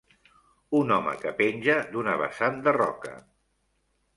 Un home que penja d'una vessant de roca.